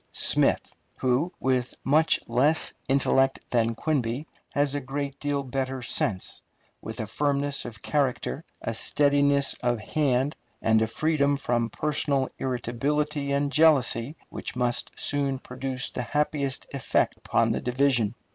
Smith, who, with much less intellect than Quinby, has a great deal better sense, with a firmness of character, a steadiness of hand, and a freedom from personal irritability and jealousy which must soon produce the happiest effect upon the division.